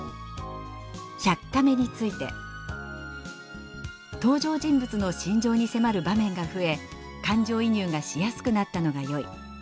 「１００カメ」について「登場人物の心情に迫る場面が増え感情移入がしやすくなったのがよい」。